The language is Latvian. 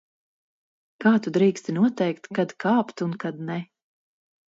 Kā tu drīksti noteikt, kad kāpt un kad ne?